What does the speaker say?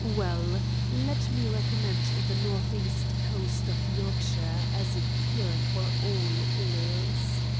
Well, let me recommend the north east coast of Yorkshire as a cure for all ills.